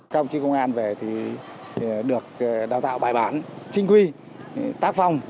công chức công an về thì được đào tạo bài bản trinh quy tác phong